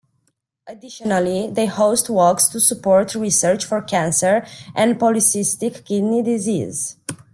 Additionally, they host walks to support research for cancer and polycystic kidney disease.